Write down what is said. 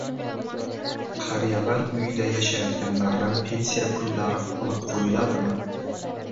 Qariyalar uyida yashayotganlardan pensiya pullari olib qo`yiladimi?